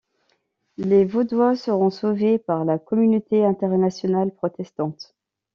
Les vaudois seront sauvés par la communauté internationale protestante.